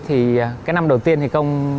thì cái năm đầu tiên thì không